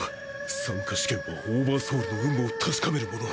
参加試験はオーバーソウルの有無を確かめるもの。